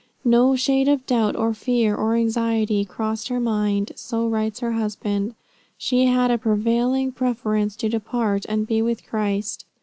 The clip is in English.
"No shade of doubt or fear, or anxiety crossed her mind." So writes her husband: "She had a prevailing preference to depart and be with Christ.